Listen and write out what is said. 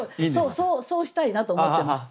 そうしたいなと思ってます。